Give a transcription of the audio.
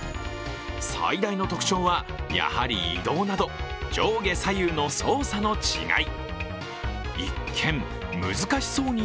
最大の特徴は、やはり移動など上下左右の操作の違い。